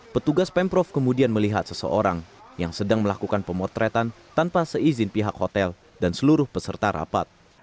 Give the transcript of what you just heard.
petugas pemprov kemudian melihat seseorang yang sedang melakukan pemotretan tanpa seizin pihak hotel dan seluruh peserta rapat